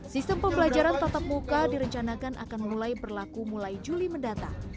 sistem pembelajaran tatap muka direncanakan akan mulai berlaku mulai juli mendatang